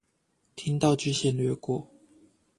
聽到就先略過